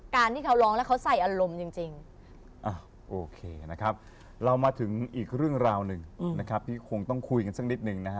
การพกของดีทีเด็ด